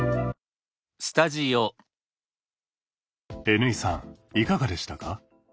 Ｎ井さんいかがでしたか？